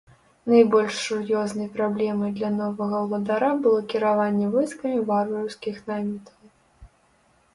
Найбольш сур'ёзнай праблемай для новага ўладара было кіраванне войскамі варварскіх наймітаў.